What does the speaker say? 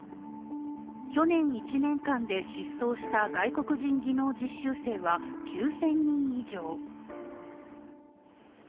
去年１年間で失踪した外国人技能実習生は９０００人以上。